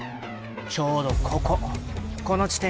ちょうどこここの地点が